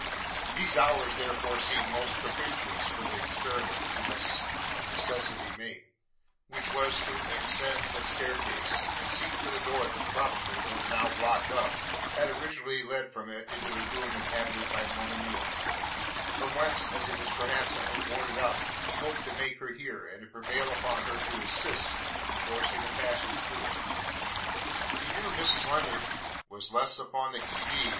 These hours, therefore seemed most propitious for the experiment he must of necessity make, which was to ascend the staircase, and seek for the door that probably, though now blocked up, had originally led from it into the room inhabited by Monimia; from whence, as it was perhaps only boarded up, he hoped to make her hear, and to prevail upon her to assist in forcing a passage through it. He knew Mrs Lennard was less upon the qui vive?